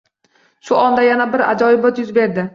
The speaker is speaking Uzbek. Shu onda yana bir ajoyibot yuz berdi